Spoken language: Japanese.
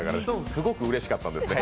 すごくうれしかったんですね。